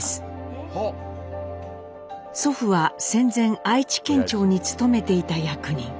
祖父は戦前愛知県庁に勤めていた役人。